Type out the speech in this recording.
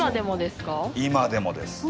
今でもですか？